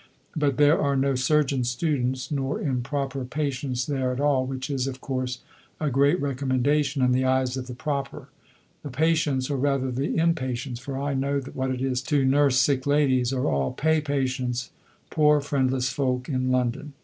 But there are no surgeon students nor improper patients there at all, which is, of course, a great recommendation in the eyes of the Proper. The Patients, or rather the Impatients, for I know what it is to nurse sick ladies, are all pay patients, poor friendless folk in London.